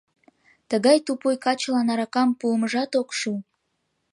— Тыгай тупуй качылан аракам пуымыжат ок шу.